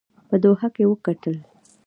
په دوحه کې وکتل.